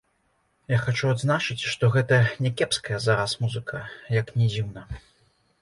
Я хачу адзначыць, што гэта някепская зараз музыка, як ні дзіўна.